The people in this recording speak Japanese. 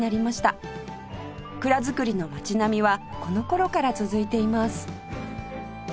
蔵造りの街並みはこの頃から続いています